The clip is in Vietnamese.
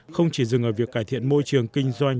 không chỉ dừng ở việc cải thiện môi trường kinh doanh